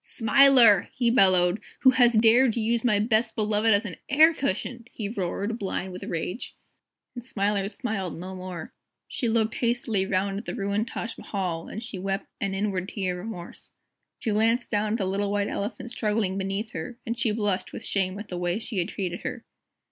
"SMILER!" he bellowed, "who has dared to use my Best Beloved as an air cushion!" he roared, blind with rage. And Smiler smiled no more. She looked hastily round at the ruined Taj Mahal, and she wept an inward tear of remorse. She glanced down at the little White Elephant struggling beneath her, and she blushed with shame at the way she had treated her.